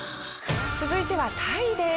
続いてはタイです。